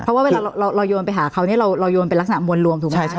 เพราะว่าเวลาเราโยนไปหาเขาเนี่ยเราโยนเป็นลักษณะมวลรวมถูกไหม